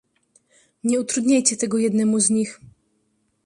"Nie utrudniajcie tego jednemu z nich."